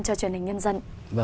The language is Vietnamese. cho truyền hình nhân dân